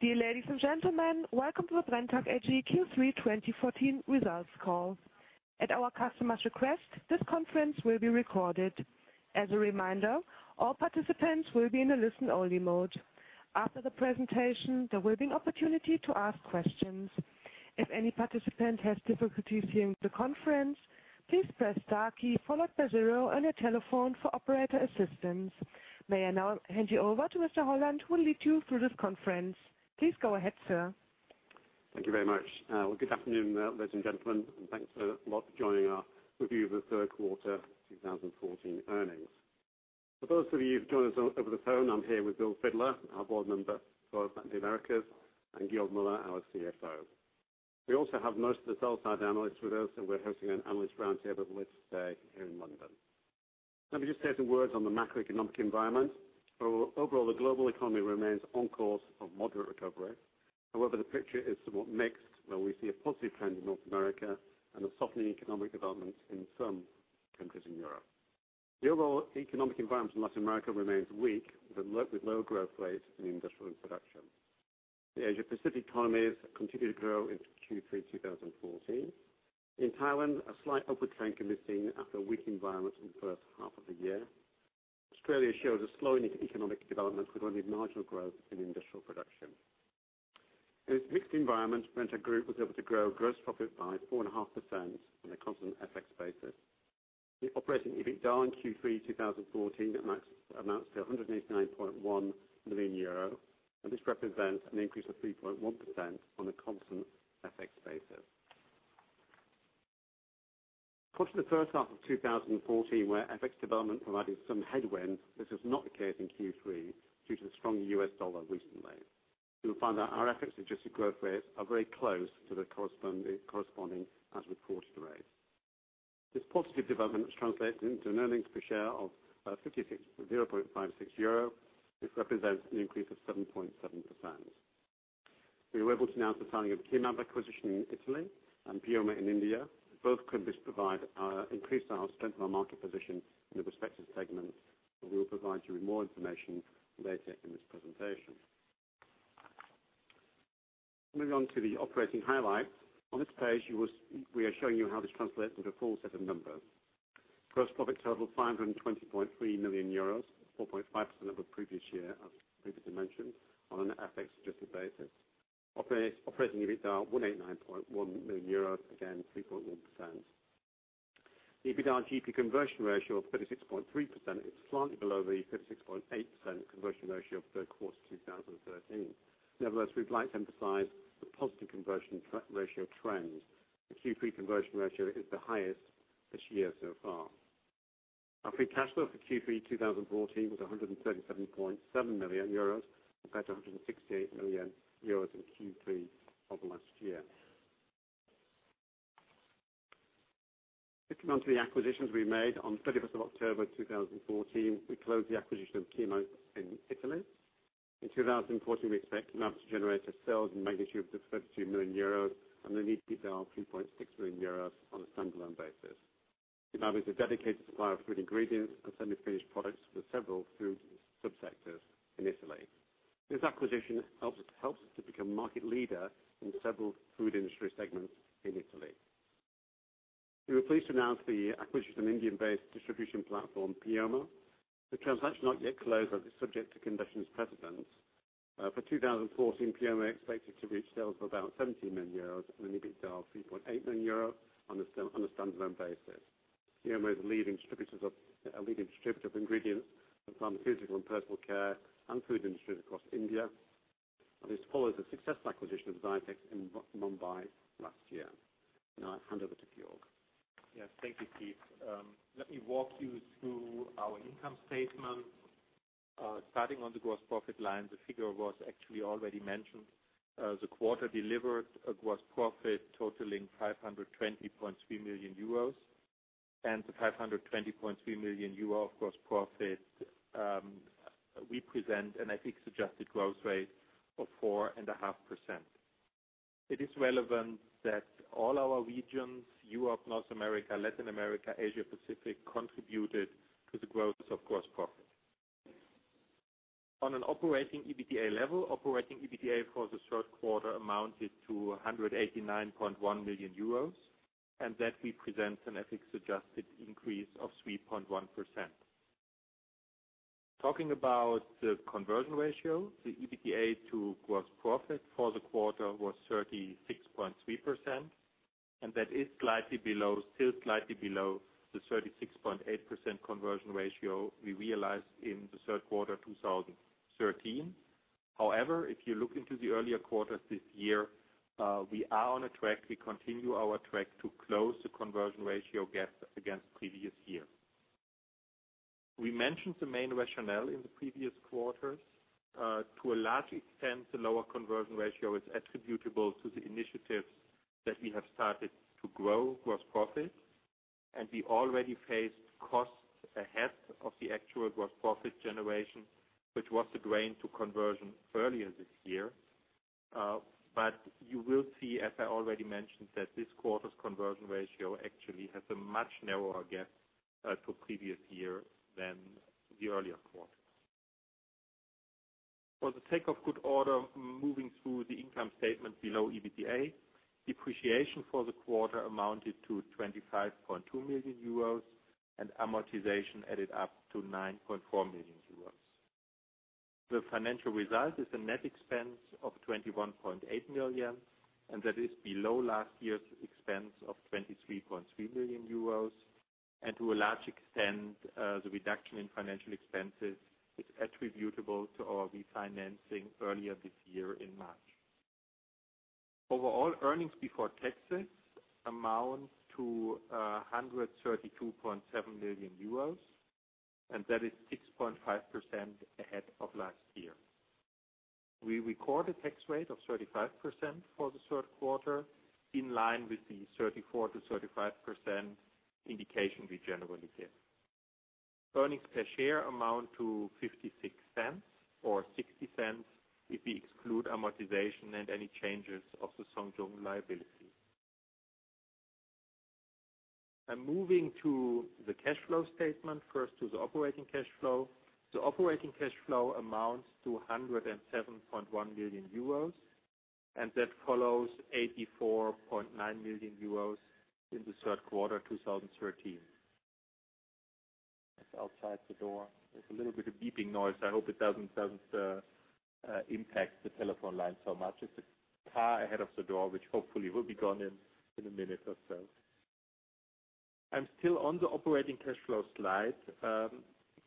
Dear ladies and gentlemen, welcome to the Brenntag AG Q3 2014 results call. At our customers' request, this conference will be recorded. As a reminder, all participants will be in a listen-only mode. After the presentation, there will be an opportunity to ask questions. If any participant has difficulties hearing the conference, please press star key followed by zero on your telephone for operator assistance. May I now hand you over to Mr. Holland who will lead you through this conference. Please go ahead, sir. Thank you very much. Good afternoon, ladies and gentlemen, and thanks a lot for joining our review of the third quarter 2014 earnings. For those of you who've joined us over the phone, I'm here with Bill Fidler, our board member for Latin Americas, and Georg Müller, our CFO. We also have most of the sell-side analysts with us, and we're hosting an analyst roundtable with STAE here in London. Let me just say some words on the macroeconomic environment. Overall, the global economy remains on course of moderate recovery. However, the picture is somewhat mixed where we see a positive trend in North America and a softening economic development in some countries in Europe. The overall economic environment in Latin America remains weak, with low growth rates in industrial and production. The Asia-Pacific economies continue to grow into Q3 2014. In Thailand, a slight upward trend can be seen after a weak environment in the first half of the year. Australia shows a slowing economic development with only marginal growth in industrial production. In this mixed environment, Brenntag Group was able to grow gross profit by 4.5% on a constant FX basis. The operating EBITDA in Q3 2014 amounts to 189.1 million euro, this represents an increase of 3.1% on a constant FX basis. Across the first half of 2014, where FX development provided some headwind, this is not the case in Q3 due to the strong US dollar recently. You will find that our FX-adjusted growth rates are very close to the corresponding as reported rates. This positive development translates into an earnings per share of 56, 0.56 euro. This represents an increase of 7.7%. We were able to announce the signing of Chimab acquisition in Italy and Pioma in India. Both could provide increased strength in our market position in the respective segments, we will provide you with more information later in this presentation. Moving on to the operating highlights. On this page, we are showing you how this translates with a full set of numbers. Gross profit totaled 520.3 million euros, 4.5% over the previous year, as previously mentioned, on an FX-adjusted basis. Operating EBITDA, 189.1 million euros, again, 3.1%. The EBITDA to GP conversion ratio of 36.3% is slightly below the 36.8% conversion ratio of third quarter 2013. Nevertheless, we would like to emphasize the positive conversion ratio trends. The Q3 conversion ratio is the highest this year so far. Our free cash flow for Q3 2014 was 137.7 million euros, compared to 168 million euros in Q3 of last year. If we come on to the acquisitions we made on 31st of October 2014, we closed the acquisition of Chimab in Italy. In 2014, we expect Chimab to generate a sales magnitude of 32 million euros and an EBITDA of 3.6 million euros on a standalone basis. Chimab is a dedicated supplier of food ingredients and semi-finished products with several food sub-sectors in Italy. This acquisition helps us to become market leader in several food industry segments in Italy. We were pleased to announce the acquisition of Indian-based distribution platform, Pioma. The transaction is not yet closed as it is subject to conditions precedents. For 2014, Pioma is expected to reach sales of about 17 million euros and an EBITDA of 3.8 million euros on a standalone basis. Pioma is a leading distributor of ingredients for pharmaceutical and personal care and food industries across India. This follows the successful acquisition of Zytex in Mumbai last year. Now I hand over to Georg. Thank you, Keith. Let me walk you through our income statement. Starting on the gross profit line, the figure was actually already mentioned. The quarter delivered a gross profit totaling 520.3 million euros. The 520.3 million euro of gross profit represent an FX-adjusted growth rate of 4.5%. It is relevant that all our regions, Europe, North America, Latin America, Asia-Pacific, contributed to the growth of gross profit. On an operating EBITDA level, operating EBITDA for the third quarter amounted to 189.1 million euros. That represents an FX-adjusted increase of 3.1%. Talking about the conversion ratio, the EBITDA to gross profit for the quarter was 36.3%. That is still slightly below the 36.8% conversion ratio we realized in the third quarter 2013. If you look into the earlier quarters this year, we are on a track. We continue our track to close the conversion ratio gap against the previous year. We mentioned the main rationale in the previous quarters. To a large extent, the lower conversion ratio is attributable to the initiatives that we have started to grow gross profit. We already faced costs ahead of the actual gross profit generation, which was a drain to conversion earlier this year. You will see, as I already mentioned, that this quarter's conversion ratio actually has a much narrower gap to previous year than the earlier quarter. For the take of good order, moving through the income statement below EBITDA, depreciation for the quarter amounted to 25.2 million euros and amortization added up to 9.4 million euros. The financial result is a net expense of 21.8 million. That is below last year's expense of 23.3 million euros. To a large extent, the reduction in financial expenses is attributable to our refinancing earlier this year in March. Overall, earnings before taxes amount to 132.7 million euros, and that is 6.5% ahead of last year. We recorded a tax rate of 35% for the third quarter, in line with the 34%-35% indication we generally give. Earnings per share amount to 0.56 or 0.60 if we exclude amortization and any changes of the Hsong Jong liability. I'm moving to the cash flow statement. First to the operating cash flow. The operating cash flow amounts to 107.1 million euros, and that follows 84.9 million euros in the third quarter 2013. It's outside the door. There's a little bit of beeping noise. I hope it doesn't impact the telephone line so much. It's a car ahead of the door, which hopefully will be gone in a minute or so. I'm still on the operating cash flow slide.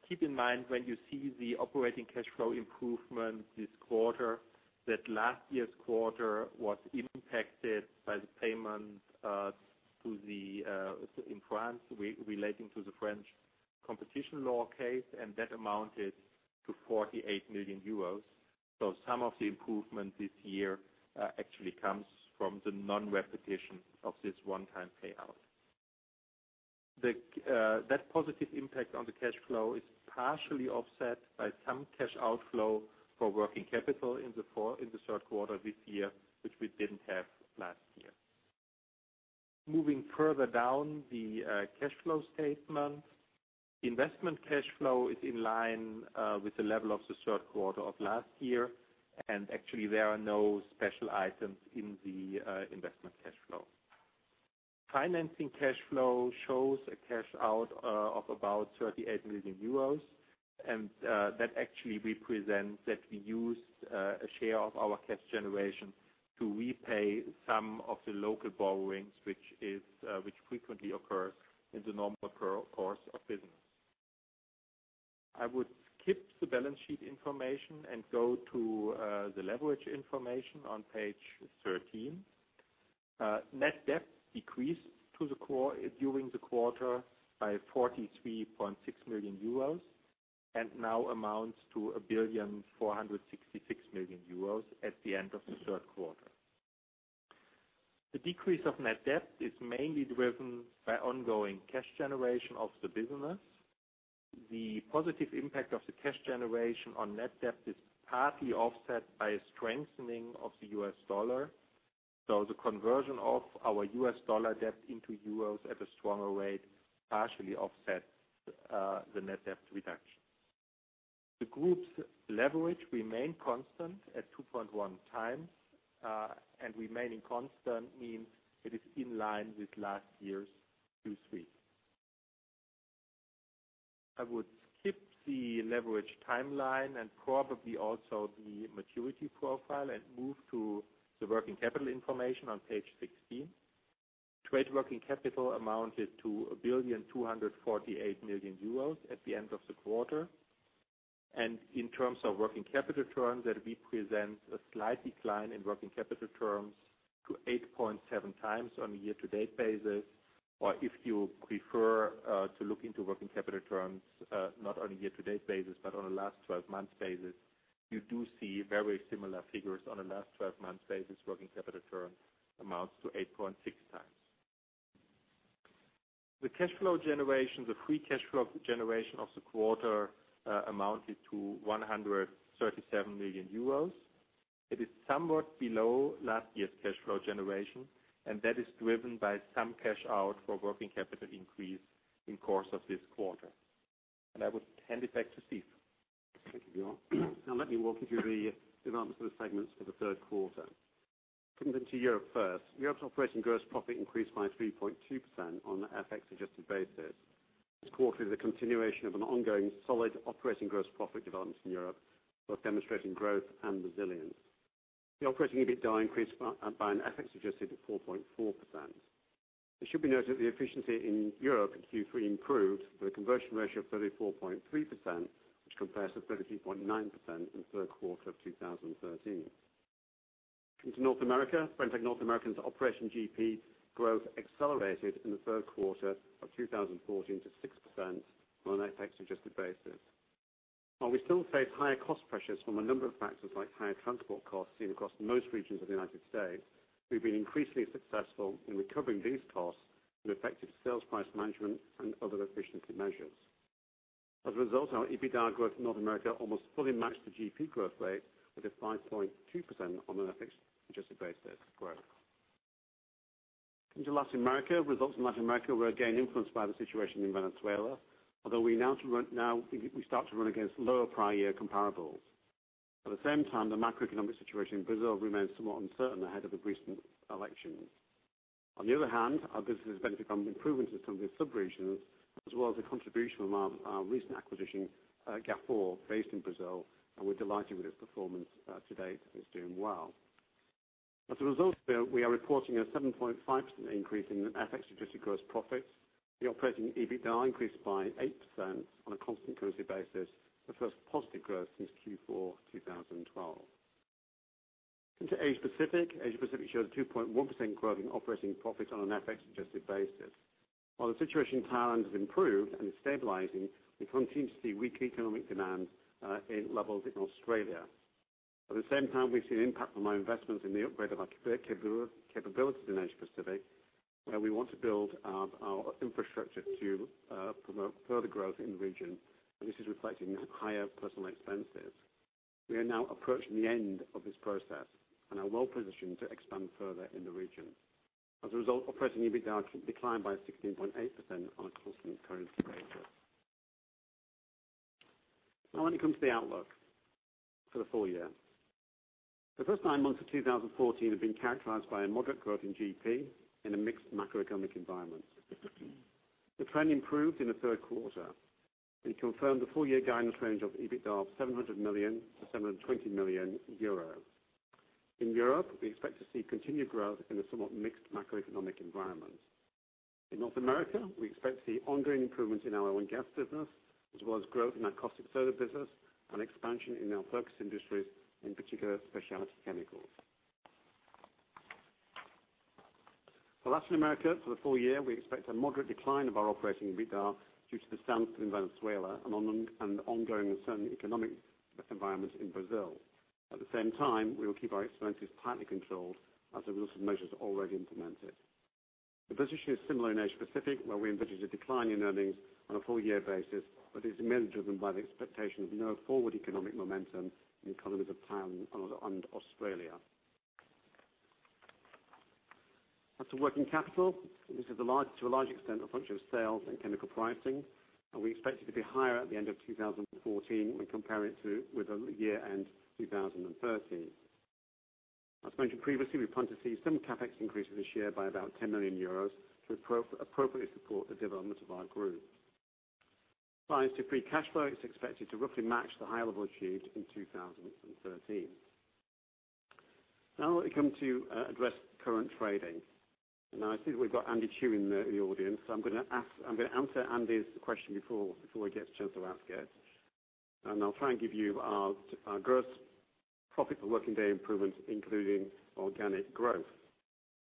Keep in mind when you see the operating cash flow improvement this quarter, that last year's quarter was impacted by the payment in France relating to the French Competition Authority case. That amounted to 48 million euros. Some of the improvement this year actually comes from the non-repetition of this one-time payout. That positive impact on the cash flow is partially offset by some cash outflow for working capital in the third quarter of this year, which we didn't have last year. Moving further down the cash flow statement. Investment cash flow is in line with the level of the third quarter of last year. There are no special items in the investment cash flow. Financing cash flow shows a cash out of about 38 million euros, and that represents that we used a share of our cash generation to repay some of the local borrowings, which frequently occurs in the normal course of business. I would skip the balance sheet information and go to the leverage information on page 13. Net debt decreased during the quarter by 43.6 million euros and now amounts to 1.466 billion at the end of the third quarter. The decrease of net debt is mainly driven by ongoing cash generation of the business. The positive impact of the cash generation on net debt is partly offset by a strengthening of the U.S. dollar. The conversion of our U.S. dollar debt into euros at a stronger rate partially offsets the net debt reduction. The group's leverage remained constant at 2.1 times. Remaining constant means it is in line with last year's Q3. I would skip the leverage timeline and probably also the maturity profile and move to the working capital information on page 16. Trade working capital amounted to 1.248 billion at the end of the quarter. In terms of working capital terms, that represents a slight decline in working capital terms to 8.7 times on a year-to-date basis. If you prefer to look into working capital terms, not on a year-to-date basis, but on a last 12 months basis, you do see very similar figures. On a last 12 months basis, working capital term amounts to 8.6 times. The free cash flow generation of the quarter amounted to 137 million euros. It is somewhat below last year's cash flow generation. That is driven by some cash out for working capital increase in course of this quarter. I would hand it back to Steve. Thank you, Björn. Now let me walk you through the development of the segments for the third quarter. Coming to Europe first. Europe's operating gross profit increased by 3.2% on the FX-adjusted basis. This quarter is a continuation of an ongoing solid operating gross profit development in Europe, both demonstrating growth and resilience. The operating EBITDA increased by an FX-adjusted 4.4%. It should be noted the efficiency in Europe in Q3 improved with a conversion ratio of 34.3%, which compares to 33.9% in the third quarter of 2013. Coming to North America. Brenntag North America's operation GP growth accelerated in the third quarter of 2014 to 6% on an FX-adjusted basis. While we still face higher cost pressures from a number of factors like higher transport costs seen across most regions of the U.S., we've been increasingly successful in recovering these costs through effective sales price management and other efficiency measures. As a result, our EBITDA growth in North America almost fully matched the GP growth rate with a 5.2% on an FX-adjusted basis growth. Into Latin America. Results in Latin America were again influenced by the situation in Venezuela, although we now start to run against lower prior year comparables. At the same time, the macroeconomic situation in Brazil remains somewhat uncertain ahead of the recent elections. On the other hand, our business has benefited from improvements in some of these sub-regions, as well as the contribution from our recent acquisition, Gafor, based in Brazil, and we're delighted with its performance to date. It's doing well. As a result there, we are reporting a 7.5% increase in FX-adjusted gross profits. The operating EBITDA increased by 8% on a constant currency basis, the first positive growth since Q4 2012. Into Asia Pacific. Asia Pacific showed a 2.1% growth in operating profits on an FX-adjusted basis. While the situation in Thailand has improved and is stabilizing, we continue to see weak economic demand in levels in Australia. At the same time, we've seen impact from our investments in the upgrade of our capabilities in Asia Pacific, where we want to build our infrastructure to promote further growth in the region. This is reflecting in higher personal expenses. We are now approaching the end of this process and are well positioned to expand further in the region. As a result, operating EBITDA declined by 16.8% on a constant currency basis. Now when it comes to the outlook for the full year. The first nine months of 2014 have been characterized by a moderate growth in GP in a mixed macroeconomic environment. The trend improved in the third quarter. We confirmed the full year guidance range of EBITDA of 700 million-720 million euro. In Europe, we expect to see continued growth in a somewhat mixed macroeconomic environment. In North America, we expect to see ongoing improvements in our oil and gas business, as well as growth in our caustic soda business and expansion in our focus industries, in particular specialty chemicals. For Latin America, for the full year, we expect a moderate decline of our operating EBITDA due to the standstill in Venezuela and ongoing uncertain economic environments in Brazil. At the same time, we will keep our expenses tightly controlled as a result of measures already implemented. The position is similar in Asia Pacific, where we envisage a decline in earnings on a full year basis, but is mainly driven by the expectation of no forward economic momentum in the economies of Thailand and Australia. On to working capital. This is to a large extent, a function of sales and chemical pricing, and we expect it to be higher at the end of 2014 when we compare it with the year-end 2013. As mentioned previously, we plan to see some CapEx increase this year by about 10 million euros to appropriately support the development of our group. Prior to free cash flow, it's expected to roughly match the high level achieved in 2013. Now I come to address current trading. Now I see we've got Andy Chu in the audience, so I'm going to answer Andy's question before he gets a chance to ask it. I'll try and give you our gross profit for working day improvements, including organic growth.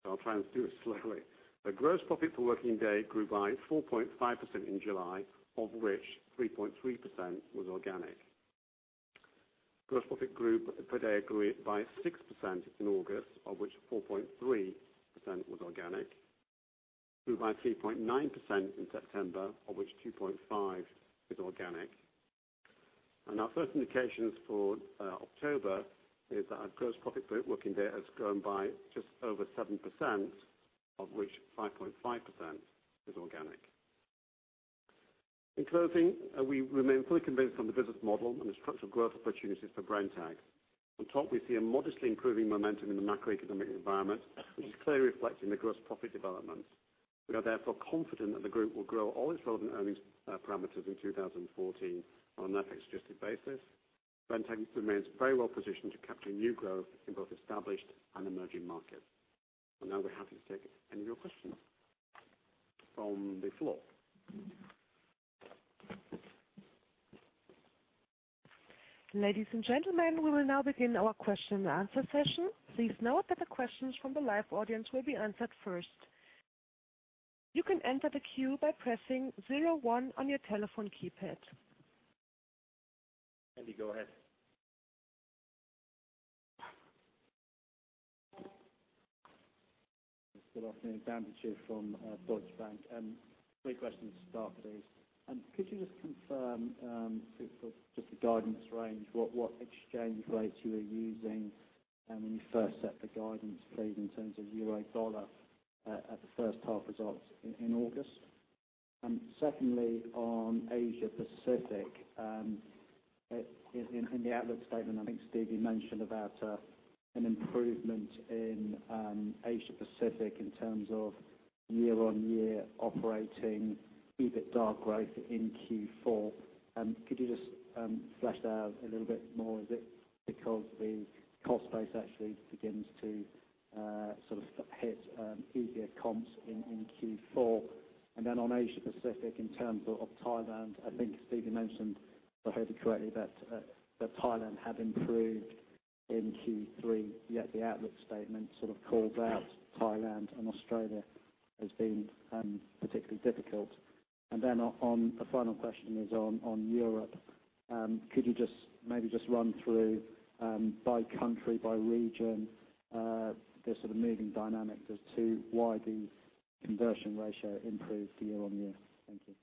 I'll try and do this slowly. The gross profit for working day grew by 4.5% in July, of which 3.3% was organic. Gross profit per day grew by 6% in August, of which 4.3% was organic. Grew by 3.9% in September, of which 2.5% is organic. Our first indications for October is that our gross profit per working day has grown by just over 7%, of which 5.5% is organic. In closing, we remain fully convinced on the business model and the structural growth opportunities for Brenntag. On top, we see a modestly improving momentum in the macroeconomic environment, which is clearly reflected in the gross profit developments. We are therefore confident that the group will grow all its relevant earnings parameters in 2014 on an FX adjusted basis. Brenntag remains very well positioned to capture new growth in both established and emerging markets. Now we're happy to take any of your questions from the floor. Ladies and gentlemen, we will now begin our question and answer session. Please note that the questions from the live audience will be answered first. You can enter the queue by pressing 01 on your telephone keypad. Andy, go ahead. Good afternoon. Andy Chu from Deutsche Bank. Three questions to start, please. Could you just confirm for just the guidance range, what exchange rates you were using when you first set the guidance, please, in terms of EUR/USD at the first half results in August? Secondly, on Asia Pacific. In the outlook statement, I think, Steve, you mentioned about an improvement in Asia Pacific in terms of year-on-year operating EBITDA growth in Q4. Could you just flesh that out a little bit more? Is it because the cost base actually begins to hit easier comps in Q4? On Asia Pacific, in terms of Thailand, I think Steve, you mentioned, if I heard you correctly, that Thailand had improved in Q3, yet the outlook statement sort of called out Thailand and Australia as being particularly difficult. The final question is on Europe. Could you maybe just run through by country, by region, the sort of moving dynamic as to why the conversion ratio improved year-on-year? Thank you.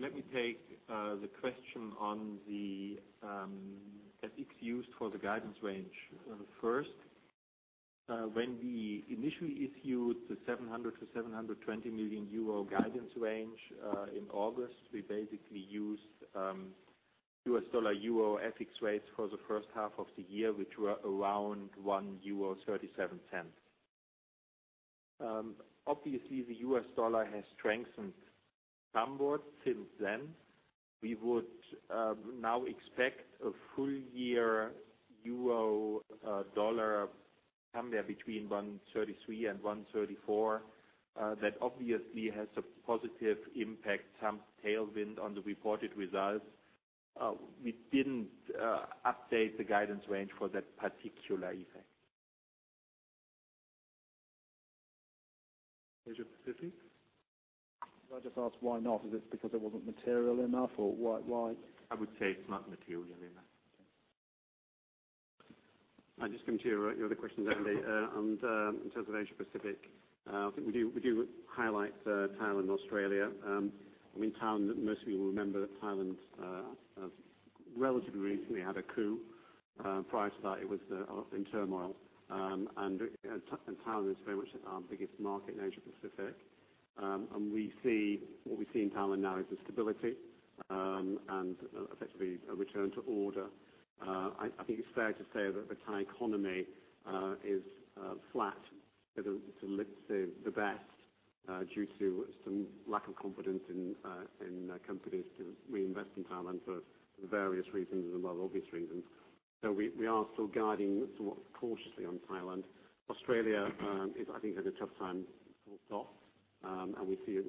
Let me take the question on the FX used for the guidance range first. When we initially issued the 700 to 720 million euro guidance range in August, we basically used US dollar-euro FX rates for the first half of the year, which were around 1.37 euro. Obviously, the US dollar has strengthened somewhat since then. We would now expect a full year euro dollar somewhere between 1.33 and 1.34. That obviously has a positive impact, some tailwind on the reported results. We didn't update the guidance range for that particular effect. Asia Pacific? Can I just ask why not? Is it because it wasn't material enough, or why? I would say it's not material enough. Okay. I'll just come to your other questions, Andy. In terms of Asia Pacific, I think we do highlight Thailand, Australia. Most of you will remember that Thailand relatively recently had a coup. Prior to that, it was in turmoil. Thailand is very much our biggest market in Asia Pacific. What we see in Thailand now is the stability and effectively a return to order. I think it's fair to say that the Thai economy is flat to say the best due to some lack of confidence in companies to reinvest in Thailand for various reasons and rather obvious reasons. We are still guiding somewhat cautiously on Thailand. Australia, I think had a tough time full stop. We see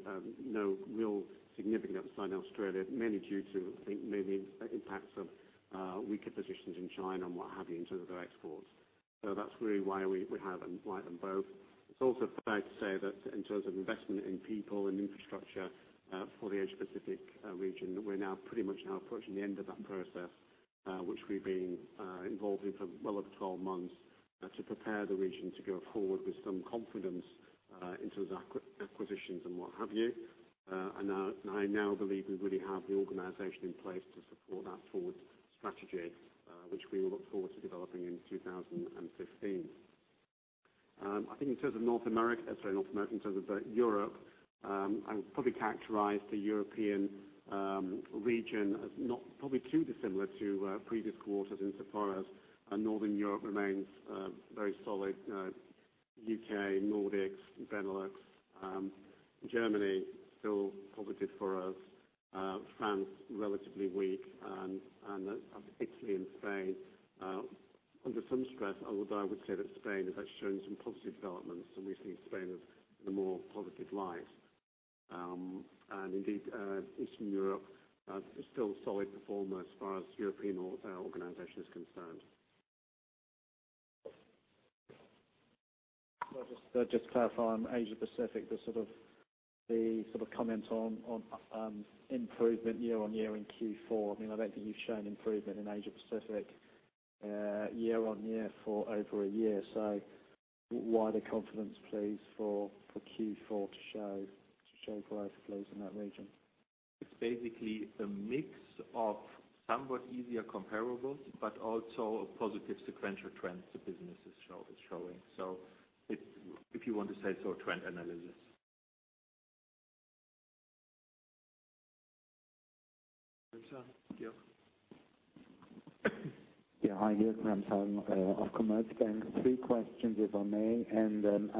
no real significant upside in Australia, mainly due to, I think, maybe the impacts of weaker positions in China and what have you in terms of their exports. That's really why we highlight them both. It's also fair to say that in terms of investment in people and infrastructure for the Asia Pacific region, that we're now pretty much now approaching the end of that process which we've been involved in for well over 12 months to prepare the region to go forward with some confidence in terms of acquisitions and what have you. I now believe we really have the organization in place to support that forward strategy which we look forward to developing in 2015. I think in terms of Europe, I would probably characterize the European region as not probably too dissimilar to previous quarters insofar as Northern Europe remains very solid. U.K., Nordics, Benelux, Germany, still positive for us. France, relatively weak, and Italy and Spain under some stress. Although I would say that Spain has actually shown some positive developments, and we see Spain in a more positive light. Indeed, Eastern Europe is still a solid performer as far as European organization is concerned. I'll just clarify on Asia Pacific, the sort of comment on improvement year-over-year in Q4. I don't think you've shown improvement in Asia Pacific year-over-year for over one year. Why the confidence plays for Q4 to show growth plays in that region? It's basically a mix of somewhat easier comparables but also a positive sequential trend the business is showing. If you want to say so, trend analysis. Ramsen, go. Yeah, hi. Jörg Ramseger of Commerzbank. Three questions, if I may.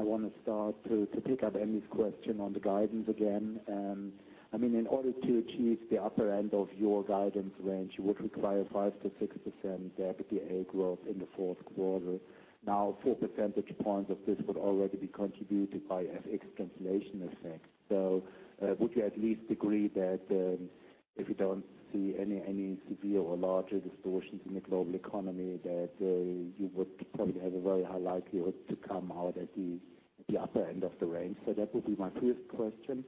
I want to start to pick up Andy's question on the guidance again. In order to achieve the upper end of your guidance range, you would require 5%-6% EBITDA growth in the fourth quarter. Four percentage points of this would already be contributed by FX translation effect. Would you at least agree that if you don't see any severe or larger distortions in the global economy, that you would probably have a very high likelihood to come out at the upper end of the range? That would be my first question.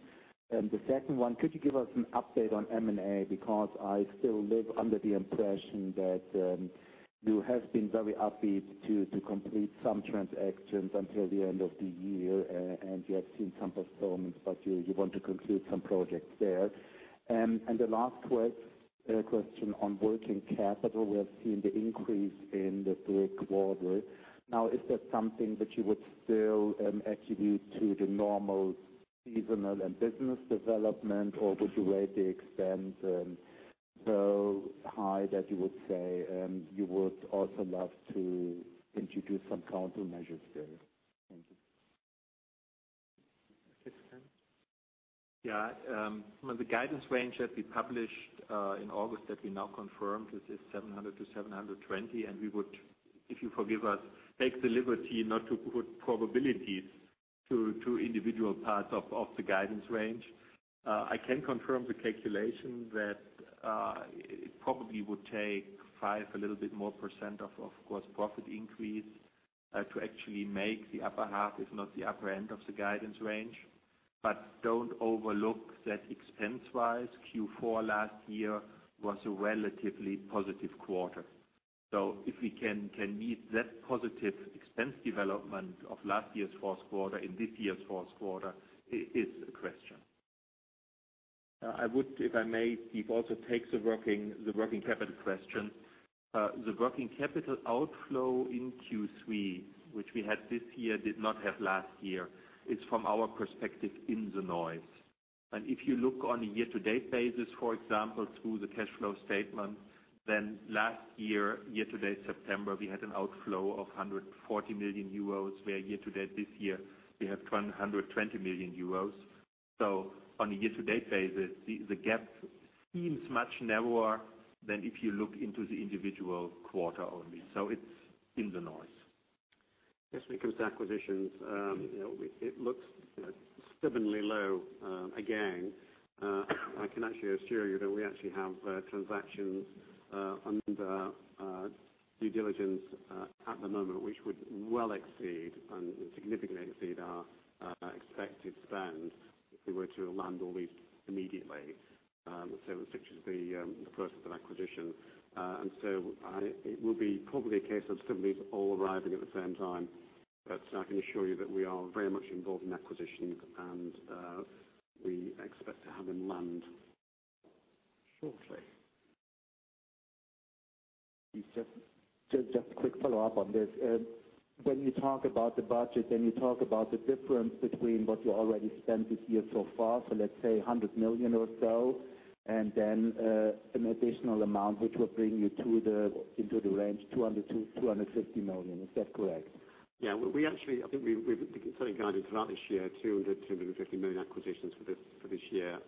The second one, could you give us an update on M&A? I still live under the impression that you have been very upbeat to complete some transactions until the end of the year, and you have seen some performance, but you want to conclude some projects there. The last question on working capital. We have seen the increase in the third quarter. Is that something that you would still attribute to the normal seasonal and business development, or would you rate the expense so high that you would say you would also love to introduce some counter measures there? Thank you. Christian? The guidance range that we published in August that we now confirmed is 700-720, and we would, if you forgive us, take the liberty not to put probabilities to individual parts of the guidance range. I can confirm the calculation that it probably would take 5%, a little bit more percent of gross profit increase to actually make the upper half, if not the upper end of the guidance range. Don't overlook that expense-wise, Q4 last year was a relatively positive quarter. If we can meet that positive expense development of last year's fourth quarter in this year's fourth quarter is a question. I would, if I may, Steve, also take the working capital question. The working capital outflow in Q3, which we had this year, did not have last year, is from our perspective in the noise. If you look on a year-to-date basis, for example, through the cash flow statement, then last year-to-date September, we had an outflow of 140 million euros, where year-to-date this year we have 120 million euros. On a year-to-date basis, the gap seems much narrower than if you look into the individual quarter only. It's in the noise. When it comes to acquisitions it looks stubbornly low again. I can actually assure you that we actually have transactions under due diligence at the moment, which would well exceed and significantly exceed our expected spend if we were to land all these immediately. Such is the process of acquisition. It will be probably a case of some of these all arriving at the same time. I can assure you that we are very much involved in acquisitions and we expect to have them land shortly. Just a quick follow-up on this. When you talk about the budget, you talk about the difference between what you already spent this year so far, so let's say 100 million or so, and then an additional amount, which will bring you into the range 200 million-250 million. Is that correct? I think we've been giving guidance throughout this year, 200 million-250 million acquisitions for this year.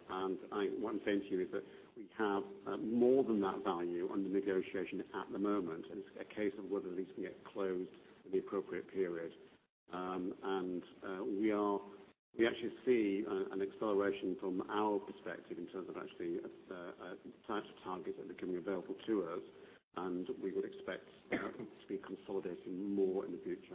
What I'm saying to you is that we have more than that value under negotiation at the moment, and it's a case of whether these can get closed in the appropriate period. We actually see an acceleration from our perspective in terms of actually the types of targets that are becoming available to us, and we would expect to be consolidating more in the future.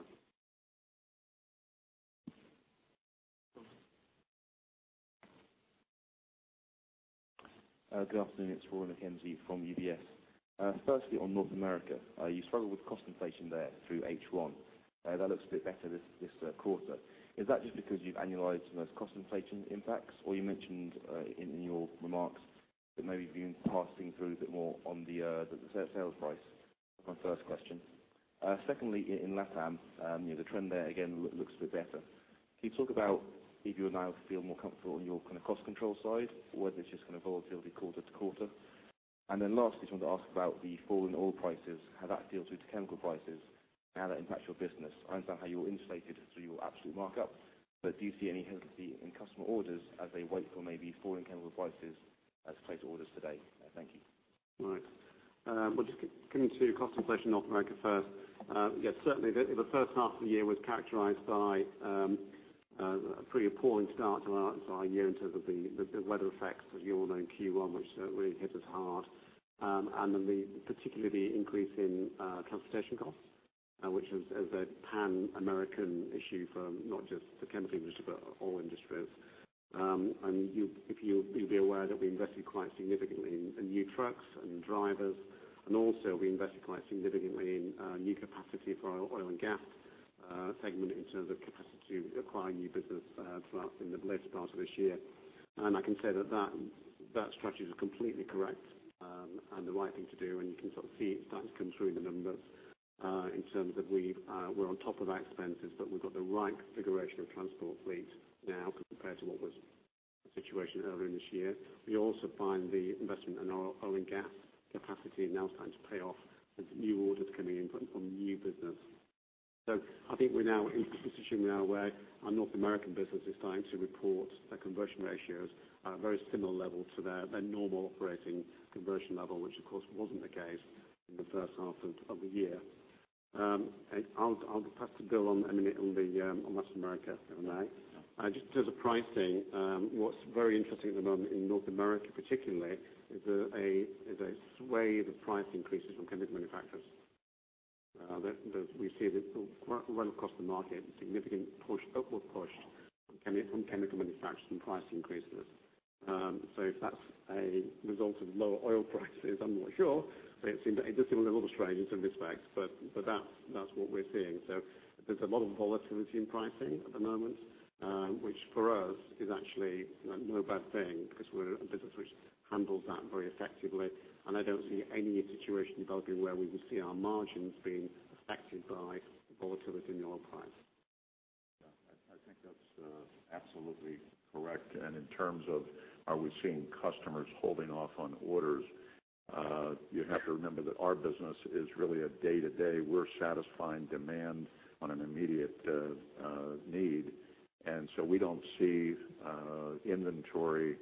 Good afternoon. It's Rory McKenzie from UBS. Firstly, on North America. You struggled with cost inflation there through H1. That looks a bit better this quarter. Is that just because you've annualized most cost inflation impacts? Or you mentioned in your remarks that maybe passing through a bit more on the sales price? My first question. Secondly, in LatAm, the trend there again, looks a bit better. Can you talk about if you now feel more comfortable on your kind of cost control side or whether it's just going to volatility quarter-to-quarter? Lastly, just wanted to ask about the fall in oil prices, how that deals with chemical prices and how that impacts your business. I understand how you're insulated through your absolute markup, but do you see any hesitancy in customer orders as they wait for maybe falling chemical prices as opposed to orders today? Thank you. Well, just coming to your cost inflation North America first. Yes, certainly the first half of the year was characterized by a pretty appalling start to our year in terms of the weather effects, as you all know, in Q1, which really hit us hard. Then particularly the increase in transportation costs, which is a Pan American issue for not just the chemical industry, but all industries. You'll be aware that we invested quite significantly in new trucks and drivers, and also we invested quite significantly in new capacity for our oil and gas segment in terms of capacity to acquire new business throughout in the later part of this year. I can say that that strategy is completely correct, and the right thing to do, and you can sort of see it start to come through in the numbers, in terms of we're on top of our expenses, but we've got the right configuration of transport fleet now compared to what was the situation earlier in this year. We also find the investment in our oil and gas capacity now starting to pay off with new orders coming in from new business. I think we're now, I'm sure we're now aware our North American business is starting to report their conversion ratios at very similar level to their normal operating conversion level, which, of course, wasn't the case in the first half of the year. I'll pass to Bill on Latin America, if I may. Yeah. Just in terms of pricing, what's very interesting at the moment in North America particularly, is a sway of the price increases from chemical manufacturers. We see this right across the market, a significant upward push from chemical manufacturers from price increases. If that's a result of lower oil prices, I'm not sure, but it does seem a little strange in some respects, but that's what we're seeing. There's a lot of volatility in pricing at the moment, which for us is actually no bad thing because we're a business which handles that very effectively, and I don't see any situation developing where we would see our margins being affected by the volatility in the oil price. I think that's absolutely correct. In terms of are we seeing customers holding off on orders, you have to remember that our business is really a day-to-day. We're satisfying demand on an immediate need, and we don't see inventory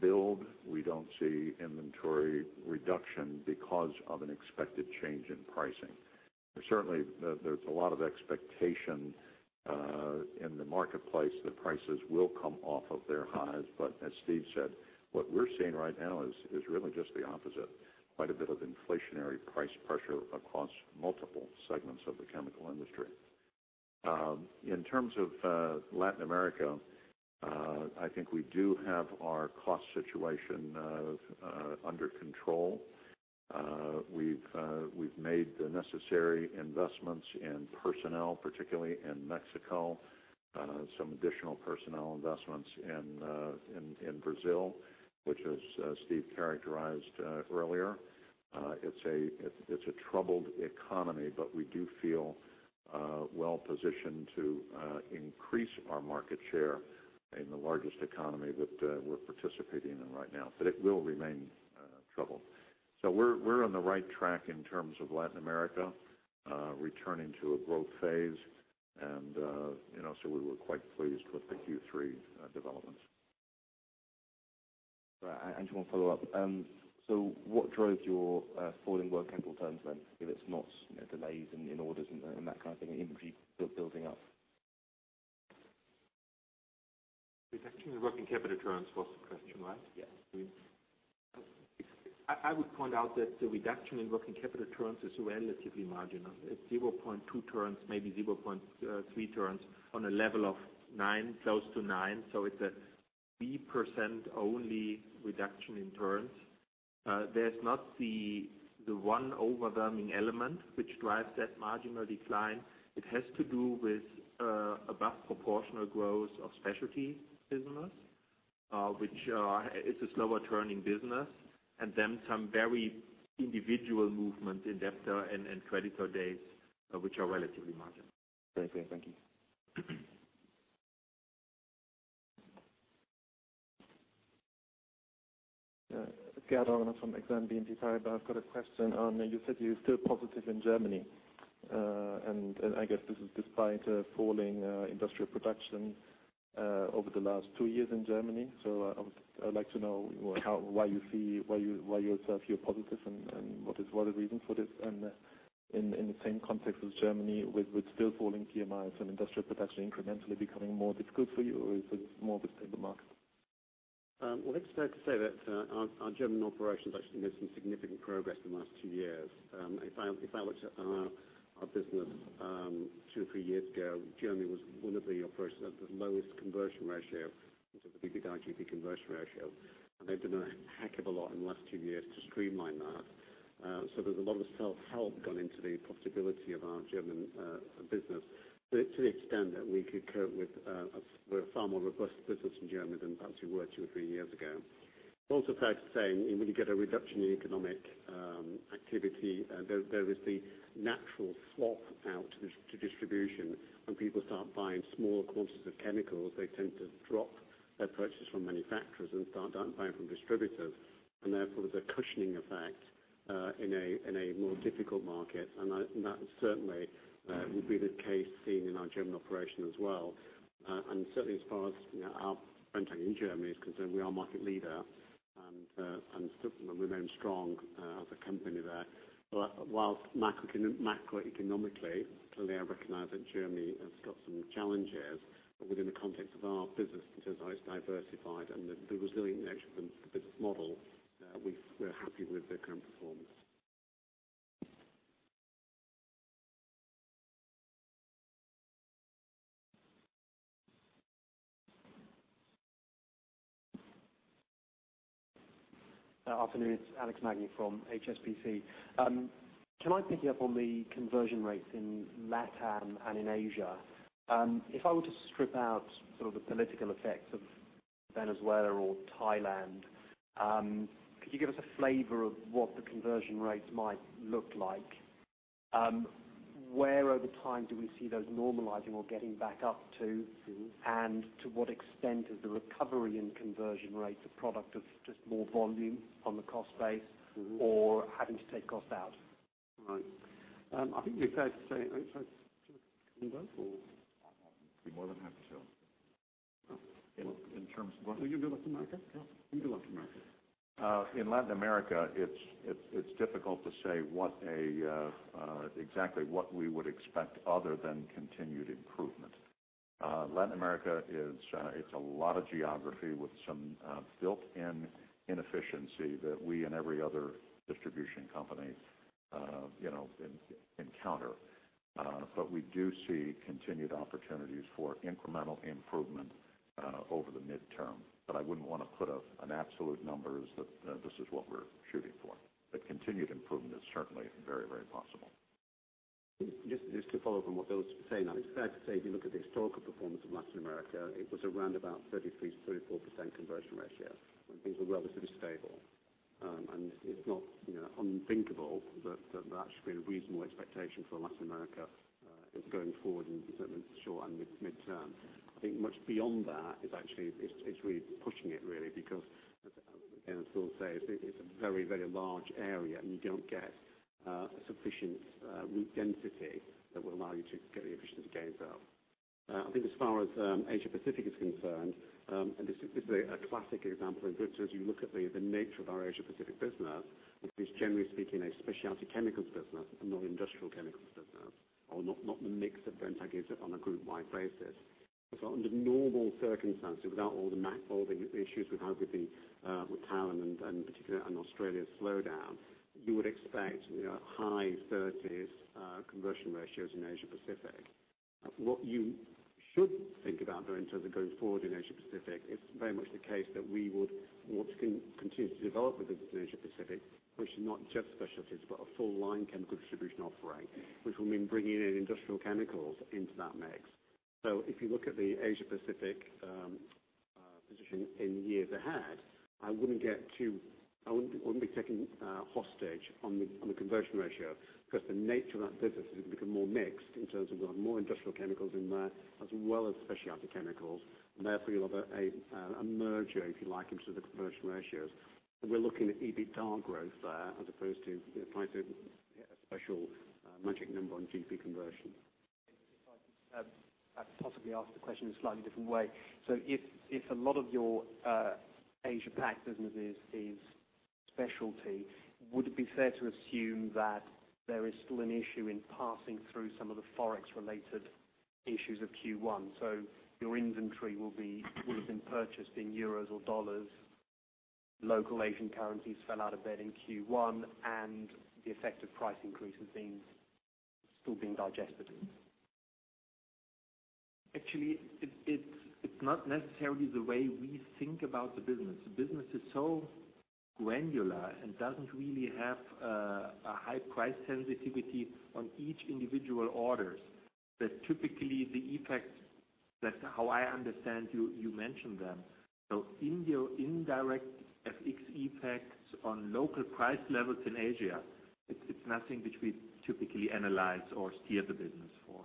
build. We don't see inventory reduction because of an expected change in pricing. Certainly, there's a lot of expectation in the marketplace that prices will come off of their highs. As Steve said, what we're seeing right now is really just the opposite. Quite a bit of inflationary price pressure across multiple segments of the chemical industry. In terms of Latin America, I think we do have our cost situation under control. We've made the necessary investments in personnel, particularly in Mexico, some additional personnel investments in Brazil, which as Steve characterized earlier, it's a troubled economy, but we do feel well-positioned to increase our market share in the largest economy that we're participating in right now. It will remain troubled. We're on the right track in terms of Latin America returning to a growth phase, and we were quite pleased with the Q3 developments. Right. One follow-up. What drove your falling working capital turns, then, if it's not delays in orders and that kind of thing and inventory building up? Reduction in working capital turns was the question, right? Yes. I would point out that the reduction in working capital turns is relatively marginal. It's 0.2 turns, maybe 0.3 turns on a level of close to nine. It's a 3% only reduction in turns. There's not the one overwhelming element which drives that marginal decline. It has to do with a vast proportional growth of specialty business, which is a slower turning business, and then some very individual movement in debtor and creditor days, which are relatively marginal. Very clear. Thank you. It's Gerhard Werner from Exane BNP Paribas. I've got a question. You said you're still positive in Germany, I guess this is despite falling industrial production over the last two years in Germany. I would like to know why you're positive and what is the reason for this? In the same context with Germany, with still falling PMIs and industrial production incrementally becoming more difficult for you, or is it more of a stable market? Well, it's fair to say that our German operations actually made some significant progress in the last two years. If I looked at our business two or three years ago, Germany was one of the lowest conversion ratio in terms of EBITDA to GP conversion ratio. They've done a heck of a lot in the last two years to streamline that. There's a lot of self-help gone into the profitability of our German business to the extent that we're a far more robust business in Germany than perhaps we were two or three years ago. It's also fair to say, when you get a reduction in economic activity, there is the natural swap out to distribution. When people start buying smaller quantities of chemicals, they tend to drop their purchase from manufacturers and start buying from distributors, and therefore, there's a cushioning effect in a more difficult market. That certainly will be the case seen in our German operation as well. Certainly, as far as our Brenntag in Germany is concerned, we are market leader, and we remain strong as a company there. While macroeconomically, clearly, I recognize that Germany has got some challenges, but within the context of our business in terms of how it's diversified and the resilience actually of the business model, we're happy with the current performance. Afternoon. It's Alex Magni from HSBC. Can I pick you up on the conversion rates in LatAm and in Asia? If I were to strip out sort of the political effects of Venezuela or Thailand, could you give us a flavor of what the conversion rates might look like? Where over time do we see those normalizing or getting back up to? To what extent is the recovery in conversion rates a product of just more volume on the cost base or having to take cost out? Right. I think it's fair to say. Do you want to comment or? I'd be more than happy to. In terms of what? You do Latin America. Okay. You do Latin America. In Latin America, it's difficult to say exactly what we would expect other than continued improvement. Latin America, it's a lot of geography with some built-in inefficiency that we and every other distribution company encounter. We do see continued opportunities for incremental improvement over the midterm. I wouldn't want to put up an absolute number as this is what we're shooting for. Continued improvement is certainly very possible. Just to follow from what Bill was saying, it's fair to say, if you look at the historical performance of Latin America, it was around about 33%-34% conversion ratio when things were relatively stable. It's not unthinkable that that should be a reasonable expectation for Latin America going forward in the short and midterm. I think much beyond that is really pushing it, really. As Bill says, it's a very large area, and you don't get sufficient route density that will allow you to get the efficiency gains out. I think as far as Asia Pacific is concerned, and this is a classic example in goods as you look at the nature of our Asia Pacific business, it is generally speaking, a specialty chemicals business and not industrial chemicals business, or not the mix that Brenntag is on a group-wide basis. Under normal circumstances, without all the issues we've had with Thailand and particularly an Australia slowdown, you would expect high 30s conversion ratios in Asia Pacific. What you should think about, though, in terms of going forward in Asia Pacific, it's very much the case that we would want to continue to develop the business in Asia Pacific, which is not just specialties, but a full line chemical distribution offering, which will mean bringing in industrial chemicals into that mix. If you look at the Asia Pacific position in years ahead, I wouldn't be taken hostage on the conversion ratio because the nature of that business has become more mixed in terms of we'll have more industrial chemicals in there, as well as specialty chemicals, and therefore you'll have a merger, if you like, in terms of the conversion ratios. We're looking at EBITDA growth there as opposed to trying to hit a special magic number on GP conversion. If I could possibly ask the question in a slightly different way. If a lot of your Asia Pac business is specialty, would it be fair to assume that there is still an issue in passing through some of the FX-related issues of Q1? Your inventory will have been purchased in EUR or USD. Local Asian currencies fell out of bed in Q1, and the effect of price increases being still being digested. Actually, it's not necessarily the way we think about the business. The business is so granular and doesn't really have a high price sensitivity on each individual order. That typically the effects, that's how I understand you mention them. Indirect FX effects on local price levels in Asia, it's nothing which we typically analyze or steer the business for.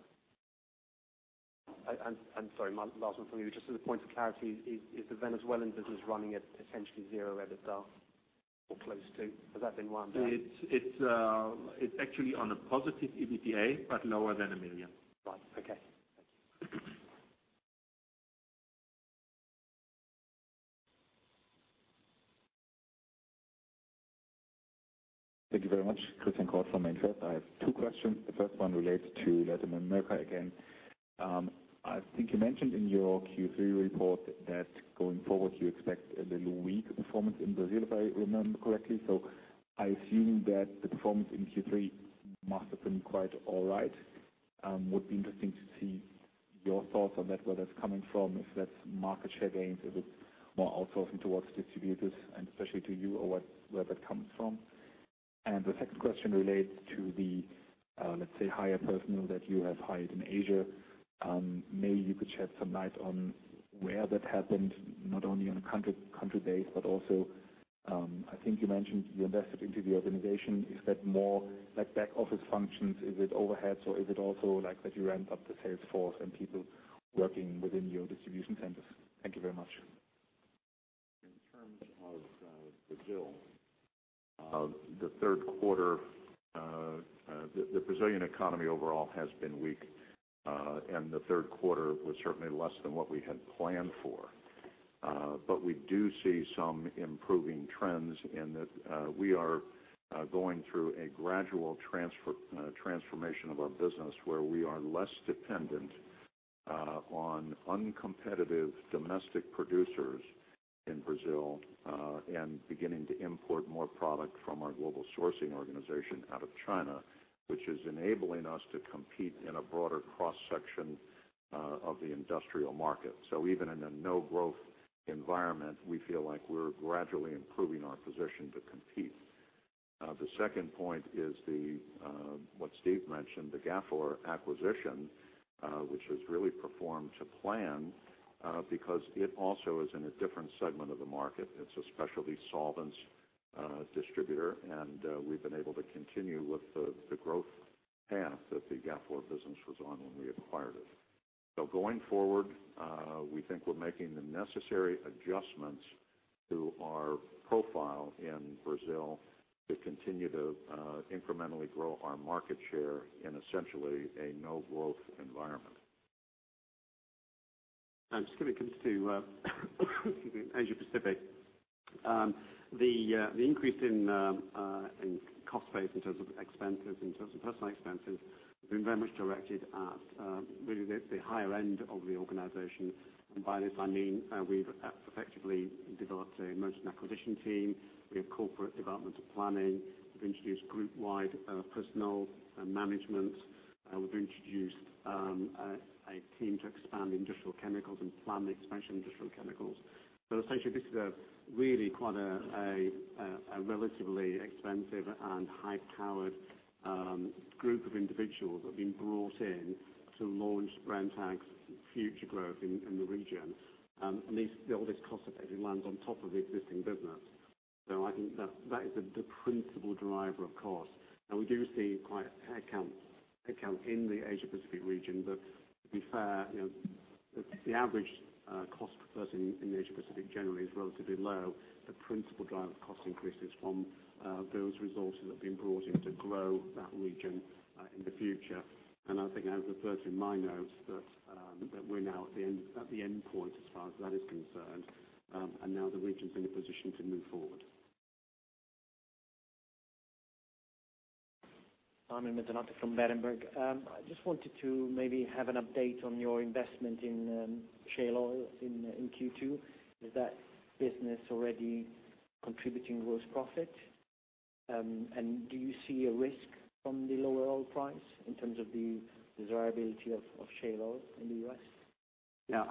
Sorry, last one from me. Just as a point of clarity, is the Venezuelan business running at essentially zero EBITDA or close to? Has that been wound down? It's actually on a positive EBITDA, but lower than a million. Right. Okay. Thank you. Thank you very much. Christian Kort from MainFirst. I have two questions. The first one relates to Latin America again. I think you mentioned in your Q3 report that going forward you expect a little weak performance in Brazil, if I remember correctly. I assume that the performance in Q3 must have been quite all right. Would be interesting to see your thoughts on that, where that's coming from, if that's market share gains, if it's more outsourcing towards distributors and especially to you or where that comes from. The second question relates to the, let's say, hire personnel that you have hired in Asia. Maybe you could shed some light on where that happened, not only on a country base but also, I think you mentioned you invested into the organization. Is that more back office functions? Is it overheads or is it also that you ramped up the sales force and people working within your distribution centers? Thank you very much. In terms of Brazil, the Brazilian economy overall has been weak, and the third quarter was certainly less than what we had planned for. We do see some improving trends in that we are going through a gradual transformation of our business where we are less dependent on uncompetitive domestic producers in Brazil and beginning to import more product from our global sourcing organization out of China, which is enabling us to compete in a broader cross-section of the industrial market. Even in a no-growth environment, we feel like we're gradually improving our position to compete. The second point is what Steve mentioned, the Gafor acquisition, which has really performed to plan because it also is in a different segment of the market. It's a specialty solvents distributor, and we've been able to continue with the growth path that the Gafor business was on when we acquired it. Going forward, we think we're making the necessary adjustments to our profile in Brazil to continue to incrementally grow our market share in essentially a no-growth environment. Just coming to Asia Pacific. The increase in cost base in terms of personal expenses have been very much directed at really the higher end of the organization. By this, I mean we've effectively developed a motion acquisition team. We have corporate development planning. We've introduced group-wide personnel management. We've introduced a team to expand industrial chemicals and plan the expansion of industrial chemicals. Essentially, this is really quite a relatively expensive and high-powered group of individuals that have been brought in to launch Brenntag's future growth in the region. All this cost effectively lands on top of the existing business. I think that is the principal driver, of course. We do see quite a headcount in the Asia Pacific region, but to be fair, the average cost per person in Asia Pacific generally is relatively low. The principal driver of cost increase is from those resources that have been brought in to grow that region in the future. I think I referred to in my notes that we're now at the endpoint as far as that is concerned. Now the region's in a position to move forward. Armin Medunjanin from Berenberg. I just wanted to maybe have an update on your investment in shale oil in Q2. Is that business already contributing gross profit? Do you see a risk from the lower oil price in terms of the desirability of shale oil in the U.S.? Yeah.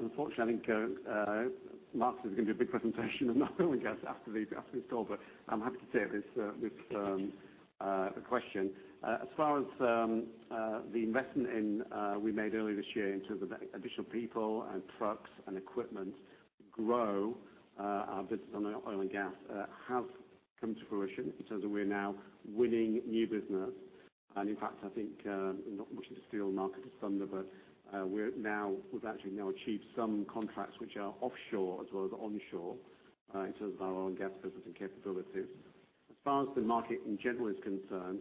Unfortunately, I think Marcus is going to do a big presentation on oil and gas after this call, I'm happy to take this question. As far as the investment we made earlier this year in terms of additional people and trucks and equipment to grow our business on oil and gas has come to fruition in terms of we are now winning new business. In fact, I think, not wishing to steal Marcus's thunder, but we've actually now achieved some contracts which are offshore as well as onshore in terms of our oil and gas business and capabilities. As far as the market in general is concerned,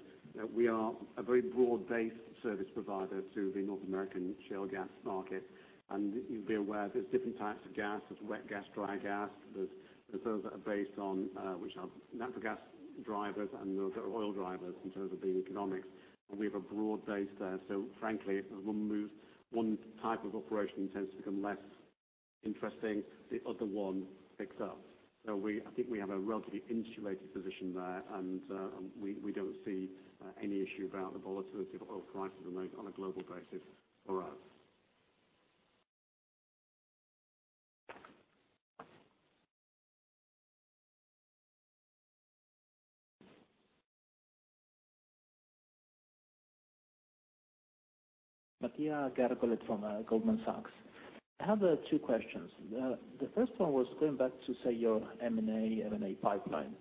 we are a very broad-based service provider to the North American shale gas market. You'll be aware there's different types of gas. There's wet gas, dry gas. There's those that are based on, which are natural gas drivers and those that are oil drivers in terms of the economics, we have a broad base there. Frankly, as 1 type of operation tends to become less interesting, the other one picks up. I think we have a relatively insulated position there, we don't see any issue about the volatility of oil prices on a global basis for us. Mattia Gargolet from Goldman Sachs. I have two questions. The first one was going back to, say, your M&A pipeline,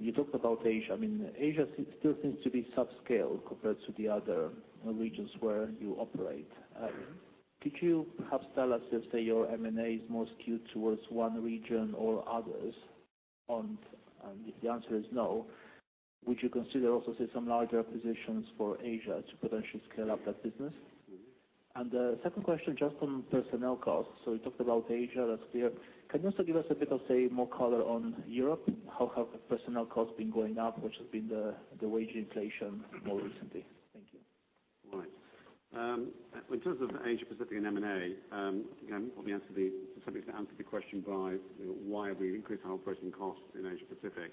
you talked about Asia. Asia still seems to be subscale compared to the other regions where you operate. Could you perhaps tell us if, say, your M&A is more skewed towards one region or others? If the answer is no, would you consider also some larger acquisitions for Asia to potentially scale up that business? The second question, just on personnel costs. You talked about Asia, that's clear. Can you also give us a bit of, say, more color on Europe? How have personnel costs been going up, which has been the wage inflation more recently? Thank you. Right. In terms of Asia Pacific and M&A, somebody is going to answer the question by why have we increased our operating costs in Asia Pacific?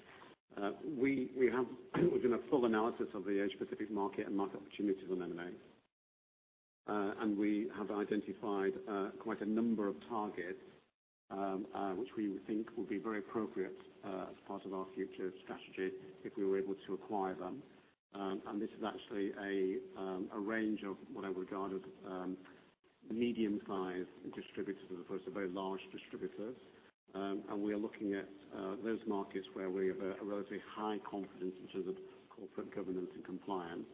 We have done a full analysis of the Asia Pacific market and market opportunities on M&A. We have identified quite a number of targets, which we think will be very appropriate as part of our future strategy if we were able to acquire them. This is actually a range of what I would regard as medium-sized distributors as opposed to very large distributors. We are looking at those markets where we have a relatively high confidence in terms of corporate governance and compliance,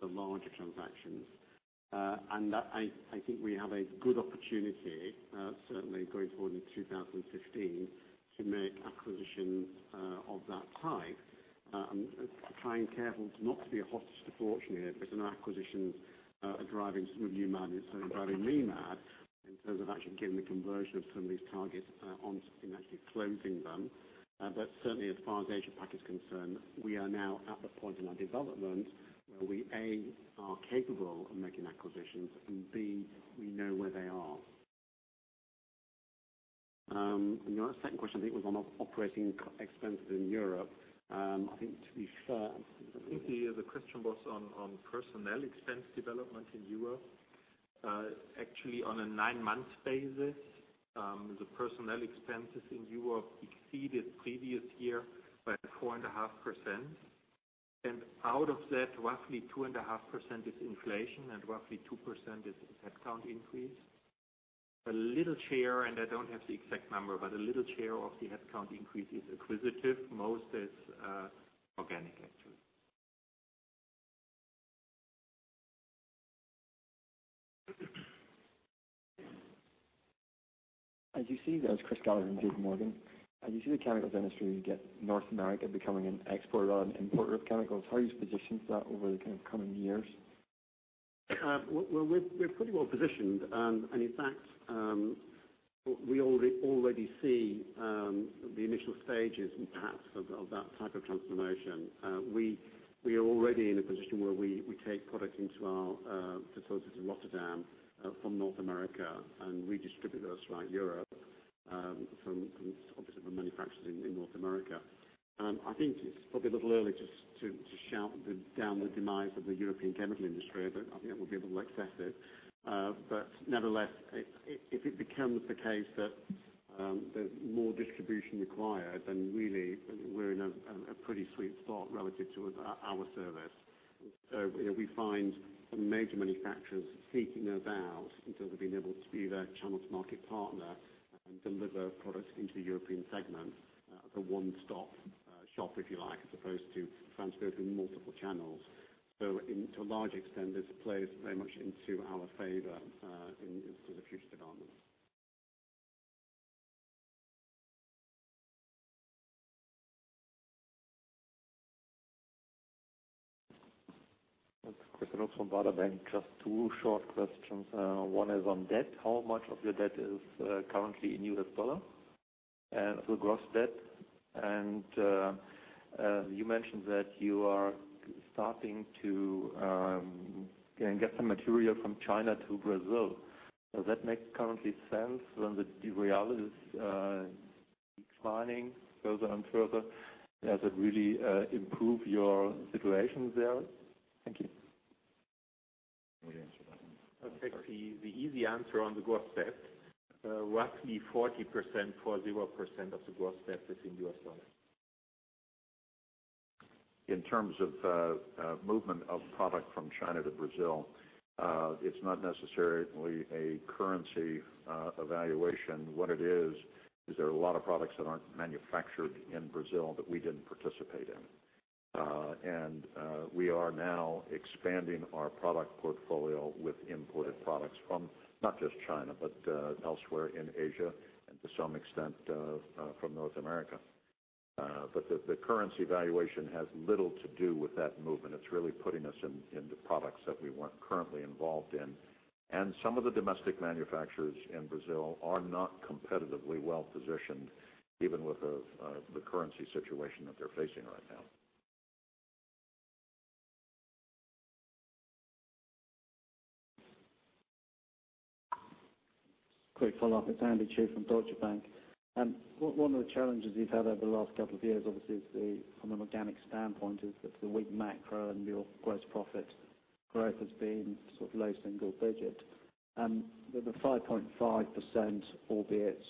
the larger transactions. I think we have a good opportunity, certainly going forward in 2015, to make acquisitions of that type. Trying careful not to be a hostage to fortune here, but some acquisitions are driving some of you mad and certainly driving me mad in terms of actually getting the conversion of some of these targets on and actually closing them. Certainly, as far as Asia Pac is concerned, we are now at the point in our development where we, A, are capable of making acquisitions, and B, we know where they are. Your second question, I think, was on operating expenses in Europe. I think to be fair- I think the question was on personnel expense development in Europe. Actually, on a nine-month basis, the personnel expenses in Europe exceeded the previous year by 4.5%. Out of that, roughly 2.5% is inflation, and roughly 2% is headcount increase. A little share, and I do not have the exact number, but a little share of the headcount increase is acquisitive. Most is organic, actually. That was Chris Gallagher from JPMorgan. As you see the chemicals industry, you get North America becoming an exporter and importer of chemicals. How do you position that over the kind of coming years? Well, we're pretty well positioned. In fact, we already see the initial stages perhaps of that type of transformation. We are already in a position where we take product into our facilities in Rotterdam from North America and redistribute those throughout Europe from obviously the manufacturers in North America. I think it's probably a little early to shout down the demise of the European chemical industry, but I think we'll be able to access it. Nevertheless, if it becomes the case that there's more distribution required, then really we're in a pretty sweet spot relative to our service. We find major manufacturers seeking us out in terms of being able to be their channel-to-market partner and deliver products into the European segment for one-stop shop, if you like, as opposed to transmitting multiple channels. To a large extent, this plays very much into our favor in terms of future developments. It's Christian Lux from Baader Bank. Just two short questions. One is on debt. How much of your debt is currently in U.S. dollar? The gross debt. You mentioned that you are starting to get some material from China to Brazil. Does that make currently sense when the real is declining further and further? Does it really improve your situation there? Thank you. You answer that one. I'll take the easy answer on the gross debt. Roughly 40% of the gross debt is in US dollars. In terms of movement of product from China to Brazil, it's not necessarily a currency evaluation. What it is there are a lot of products that aren't manufactured in Brazil that we didn't participate in. We are now expanding our product portfolio with imported products from not just China, but elsewhere in Asia and to some extent, from North America. The currency valuation has little to do with that movement. It's really putting us into products that we weren't currently involved in. Some of the domestic manufacturers in Brazil are not competitively well-positioned, even with the currency situation that they're facing right now. Quick follow-up. It's Andy Chu from Deutsche Bank. One of the challenges you've had over the last couple of years, obviously, from an organic standpoint, is that the weak macro and your gross profit growth has been low single-digit. The 5.5%, albeit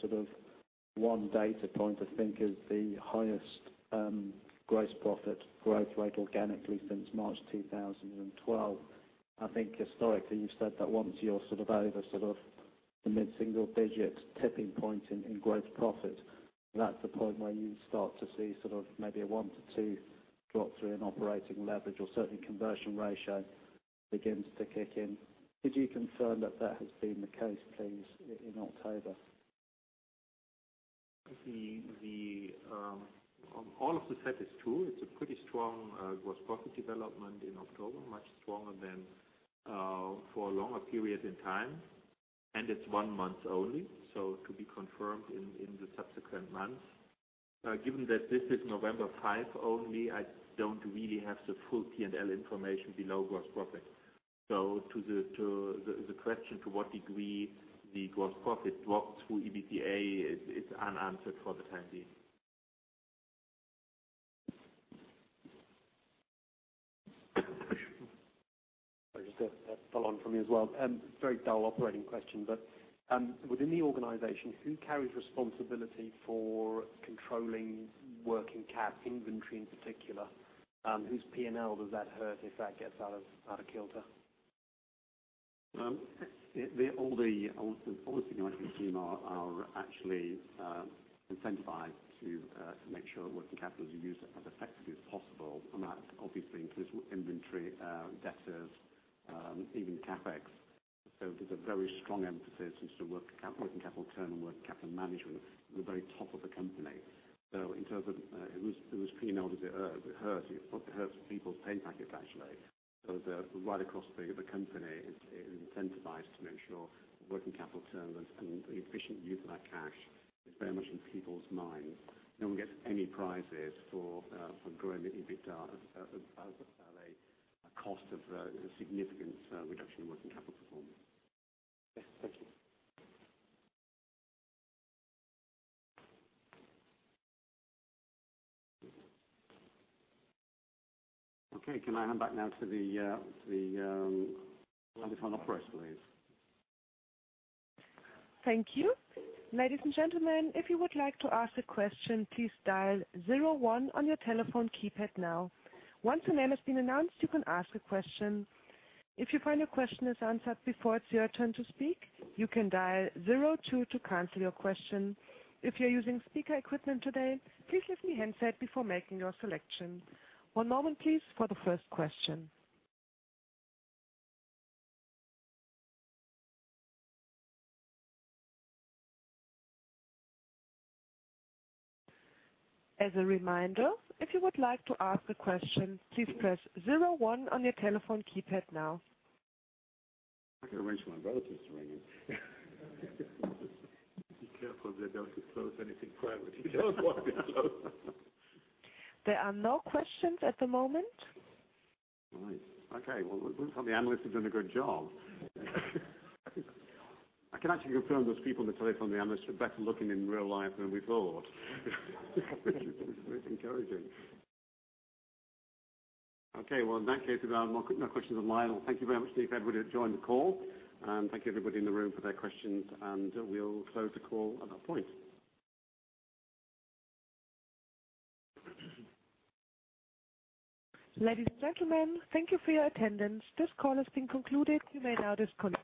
one data point, I think is the highest gross profit growth rate organically since March 2012. I think historically, you've said that once you're over the mid-single-digits tipping point in gross profit, that's the point where you start to see maybe a one to two drop through in operating leverage or certainly conversion ratio begins to kick in. Could you confirm that has been the case, please, in October? All of the set is true. It's a pretty strong gross profit development in October, much stronger than for a longer period in time, it's one month only, to be confirmed in the subsequent months. Given that this is November five only, I don't really have the full P&L information below gross profit. The question to what degree the gross profit dropped through EBITDA is unanswered for the time being. Just a follow on from you as well. Very dull operating question, within the organization, who carries responsibility for controlling working cap inventory in particular? Whose P&L does that hurt if that gets out of kilter? All the senior management team are actually incentivized to make sure working capital is used as effectively as possible, and that obviously includes inventory, debtors, even CapEx. There's a very strong emphasis as to working capital turn and working capital management at the very top of the company. In terms of whose P&L does it hurt? It hurts people's pay packets, actually. Right across the company is incentivized to make sure working capital turns and the efficient use of that cash is very much on people's minds. No one gets any prizes for growing the EBITDA at a cost of a significant reduction in working capital performance. Yes. Thank you. Okay, can I hand back now to the telephone operator, please? Thank you. Ladies and gentlemen, if you would like to ask a question, please dial zero one on your telephone keypad now. Once your name has been announced, you can ask a question. If you find your question is answered before it's your turn to speak, you can dial zero two to cancel your question. If you're using speaker equipment today, please lift the handset before making your selection. One moment, please, for the first question. As a reminder, if you would like to ask a question, please press zero one on your telephone keypad now. I can arrange for my brothers to ring in. Be careful they don't disclose anything private. Don't want to be disclosed. There are no questions at the moment. All right. Okay. Well, looks like the analysts have done a good job. I can actually confirm those people on the telephone, the analysts, are better looking in real life than we thought. Which is encouraging. Okay. Well, in that case, if there are no questions online, thank you very much to everybody who joined the call. Thank you everybody in the room for their questions, and we'll close the call at that point. Ladies and gentlemen, thank you for your attendance. This call has been concluded. You may now disconnect.